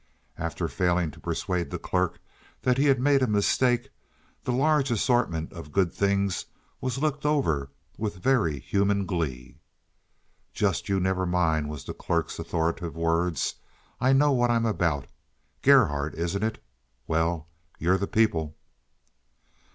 After failing to persuade the clerk that he had made a mistake, the large assortment of good things was looked over with very human glee. "Just you never mind," was the clerk's authoritative words. "I know what I'm about. Gerhardt, isn't it? Well, you're the people."